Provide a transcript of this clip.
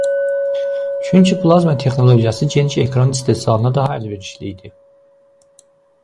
Çünki plazma texnologiyası geniş ekran istehsalına daha əlverişli idi.